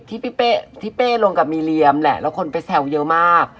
ที่เป้ลงกับมีเรียมแหละแล้วคนไปแซวเยอะมาก